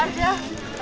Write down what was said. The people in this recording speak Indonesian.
ketemu siapa aja